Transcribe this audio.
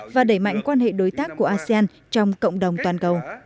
và đẩy mạnh quan hệ đối tác của asean trong cộng đồng toàn cầu